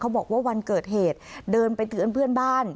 บอกว่าวันเกิดเหตุเดินไปเตือนเพื่อนบ้าน